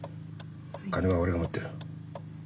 金は俺が持ってる。